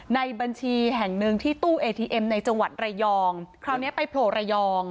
ในบัญชีแห่งหนึ่งที่ตู้เอทีเอ็มในจังหวัดระยองคราวนี้ไปโผล่ระยอง